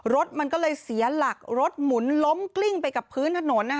รถมันก็เลยเสียหลักรถหมุนล้มกลิ้งไปกับพื้นถนน